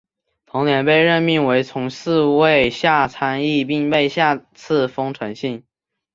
同年被任命为从四位下参议并被下赐丰臣姓。